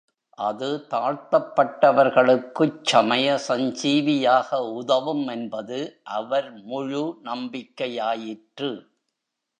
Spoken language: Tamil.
அது தாழ்த்தப்பட்டவர்களுக்குச் சமய சஞ்சீவியாக உதவும் என்பது அவர் முழு நம்பிக்கையாயிற்று.